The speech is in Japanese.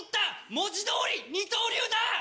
文字通り二刀流だ！